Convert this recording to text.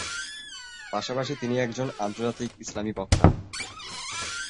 পাশাপাশি তিনি একজন আন্তর্জাতিক ইসলামি বক্তা।